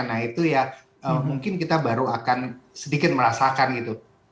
nah itu ya mungkin kita baru akan sedikit merasakan gitu